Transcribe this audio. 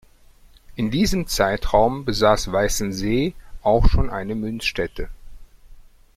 In diesem Zeitraum besaß Weißensee auch schon eine Münzstätte.